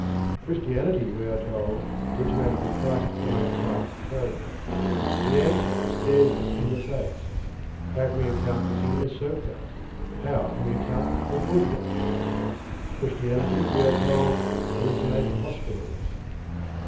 Christianity, we are told, originated the Christ like type of character. The answer stares us in the face. How can we account for King Asoka, how can we account for Buddha? Christianity, we are told, originated hospitals.